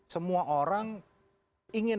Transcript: semua orang ingin